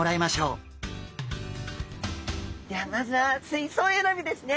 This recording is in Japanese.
ではまずは水槽選びですね。